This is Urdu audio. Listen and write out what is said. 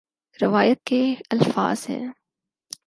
روایت کے الفاظ ہیں